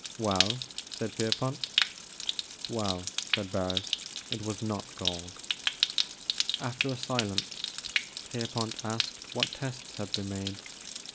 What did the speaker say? "Well? "said Pierpont. " Well," said Harris, " it was not gold." After a silence Pierpont asked what tests had been made.